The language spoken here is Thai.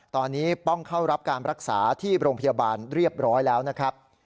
ตอนนี้ต้องเข้ารับการรักษาที่โรงพยาบาลเรียบร้อยแล้วนะครับ